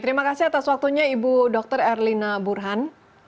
terima kasih atas waktunya ibu dr erlina burhan